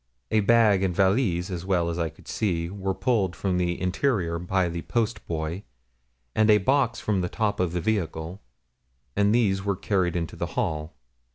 A bag and valise, as well as I could see, were pulled from the interior by the post boy, and a box from the top of the vehicle, and these were carried into the hall.